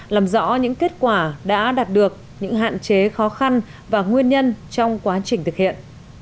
làm rõ những kết quả đã đạt được những hạn chế khó khăn và nguyên nhân trong quá trình thực hiện